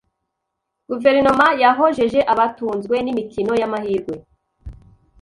Guverinoma yahojeje abatunzwe n’imikino y’amahirwe